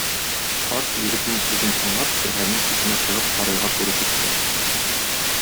Карт, егетнең сүзен тыңлап, шәһәрнең читенә чыгып сарайга туры китте.